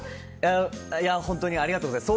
いや本当にありがとうございます。